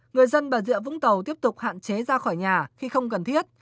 người dân bà rịa vũng tàu tiếp tục hạn chế ra khỏi nhà khi không cần thiết